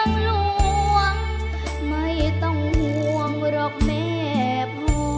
ไม่ต้องห่วงไม่ต้องห่วงหรอกแม่พ่อ